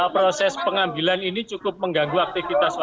proses pengambilan ini cukup mengganggu aktivitas warga